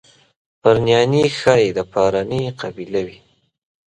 پرنیاني ښایي د پارني قبیله وي.